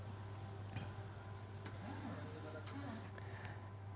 investasi yang aman